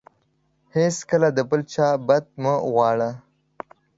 هیڅکله د بل چا بدي مه غواړه.